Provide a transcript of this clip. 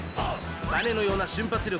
ばねのような瞬発力。